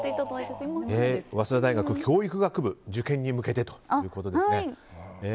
早稲田大学教育学部受験に向けてということですね。